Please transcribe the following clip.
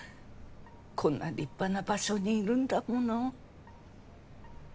こんな立派な場所にいるんだもの。